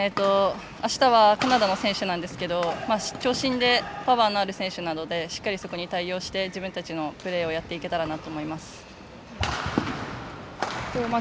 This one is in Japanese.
あしたはカナダの選手なんですけど長身でパワーのある選手なのでしっかりそこに対応して自分たちのプレーをやっていけたらなと思います。